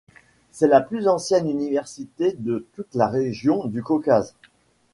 C'est la plus ancienne université de toute la région du Caucase.